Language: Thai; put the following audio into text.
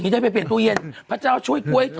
จะไปเปลี่ยนอย่างไร